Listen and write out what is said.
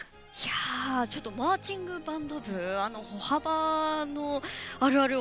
ちょっとマーチングバンド部の歩幅の「あるある」